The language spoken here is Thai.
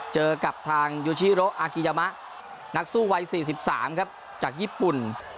เจอกับทางยูชิโรอากิยามะนักสู้วัย๔๓ครับจากญี่ปุ่น